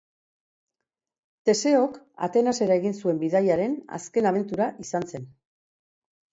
Teseok Atenasera egin zuen bidaiaren azken abentura izan zen.